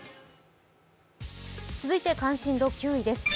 続いて関心度９位です。